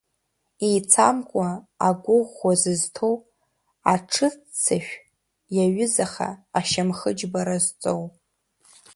Еицамкуа агәы ӷәӷәа зызҭоу, аҽыццышә иаҩызаха ашьамхы џьбара зҵоу.